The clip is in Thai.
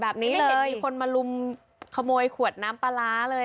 แบบนี้เลยไม่ได้ได้มีคนมาหลุมขโมยขวดน้ำปลาร้าเลย